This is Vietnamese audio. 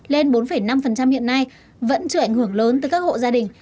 lên bốn năm hiện nay vẫn trở ảnh hưởng lớn từ các hộ gia đình